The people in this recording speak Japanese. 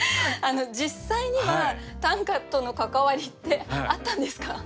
実際には短歌との関わりってあったんですか？